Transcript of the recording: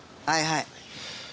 はいはい。